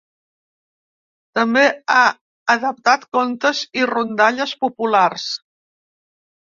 També ha adaptat contes i rondalles populars.